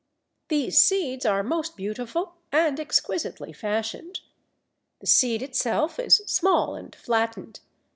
These seeds are most beautiful and exquisitely fashioned. The seed itself is small and flattened.